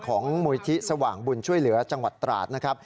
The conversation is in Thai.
มูลที่สว่างบุญช่วยเหลือจังหวัดตราดนะครับ